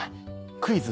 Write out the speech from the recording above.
『クイズ！